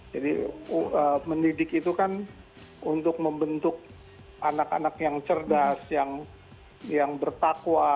jadi mendidik itu kan untuk membentuk anak anak yang cerdas yang bertakwa